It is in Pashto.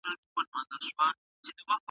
د هغې کورنۍ سفر کړی.